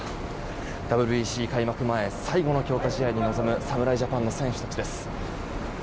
ＷＢＣ開幕前最後の強化試合に臨む侍ジャパンの選手たちです。